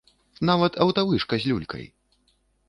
Нават аўтавышка з люлькай!